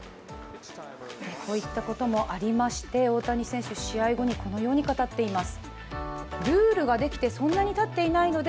こういったこともありまして大谷選手、このように語っています。